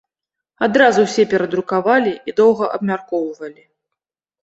Адразу ўсе перадрукавалі і доўга абмяркоўвалі.